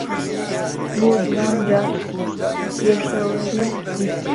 بۆ دووهەم جار پیشەوەریم دیت.